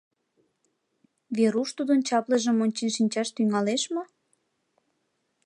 Веруш тудын чаплыжым ончен шинчаш тӱҥалеш мо?